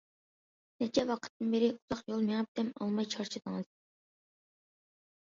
نەچچە ۋاقىتتىن بېرى ئۇزاق يول مېڭىپ، دەم ئالماي چارچىدىڭىز.